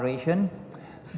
dan yang kedua